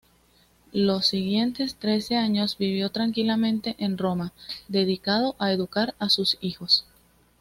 Los siguientes trece años vivió tranquilamente en Roma, dedicado a educar a sus hijos.